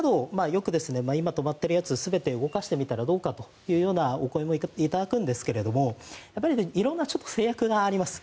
よく今止まっているやつを全て動かしてみたらどうかという声も頂くんですけれども色んな制約があります。